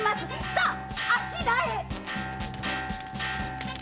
さああちらへ！